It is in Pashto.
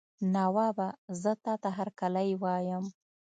نوابه زه تاته هرکلی وایم.